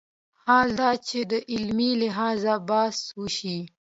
حال دا چې علمي لحاظ بحث وشي